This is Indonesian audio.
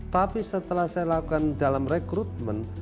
tapi setelah saya lakukan dalam rekrutmen